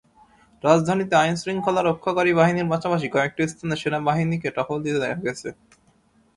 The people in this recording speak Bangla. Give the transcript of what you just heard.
রাজধানীতে আইনশৃঙ্খলা রক্ষাকারী বাহিনীর পাশাপাশি কয়েকটি স্থানে সেনাবাহিনীকে টহল দিতে দেখা গেছে।